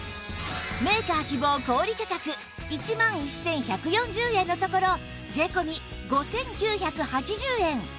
メーカー希望小売価格１万１１４０円のところ税込５９８０円